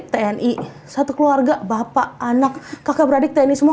tni satu keluarga bapak anak kakak beradik tni semua